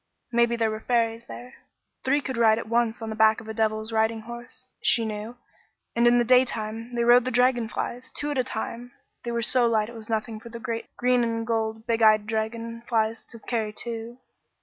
Maybe there were fairies there. Three could ride at once on the back of a devil's riding horse, she knew, and in the daytime they rode the dragon flies, two at a time; they were so light it was nothing for the great green and gold, big eyed dragon flies to carry two.